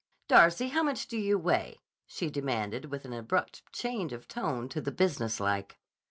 Darcy, how much do you weigh?" she demanded with an abrupt change of tone to the business like.